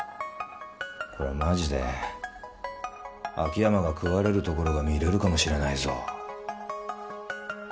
これはマジで秋山が食われるところが見れるかもしれないぞ。